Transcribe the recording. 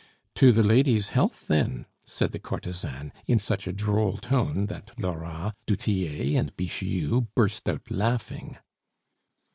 "To the lady's health then!" said the courtesan, in such a droll tone that Lora, du Tillet, and Bixiou burst out laughing.